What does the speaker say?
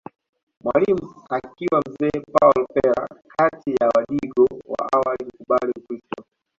Mwalimu akiwa mzee Paul Pera kati ya wadigo wa awali kukubali Ukiristo